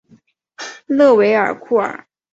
勒韦尔库尔。